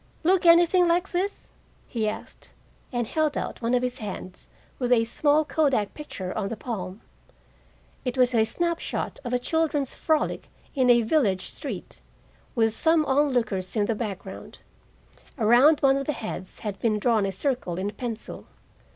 "Look anything like this?" he asked, and held out one of his hands, with a small kodak picture on the palm. It was a snap shot of a children's frolic in a village street, with some onlookers in the background. Around one of the heads had been drawn a circle in pencil.